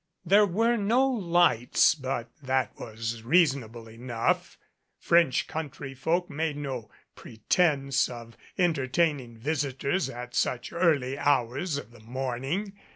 There were no lights, but that was reasonable enough. French country folk made no pretence of entertaining visitors at such early hours of the morning.